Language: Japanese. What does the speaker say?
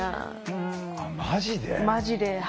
マジで？